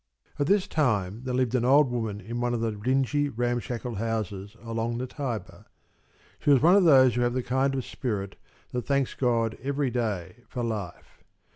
At this time there lived an old woman in one of the dingy ramshackle houses along the Tiber. She was one of those who have the kind of spirit that thanks God every day for life.